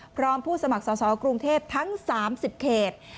พร้อมผู้สมัครสาวกรุงเทพฯทั้ง๓๐เขต